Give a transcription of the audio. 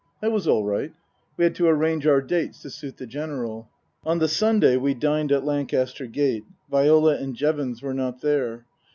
That was all right. We had to arrange our dates to suit the General. On the Sunday we dined at Lancaster Gate ; Viola and Jevons were not there.